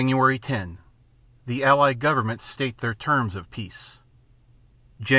10 The Allied governments state their terms of peace. Jan.